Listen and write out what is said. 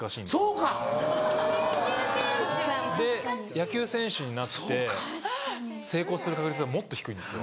野球選手になって成功する確率はもっと低いんですよ。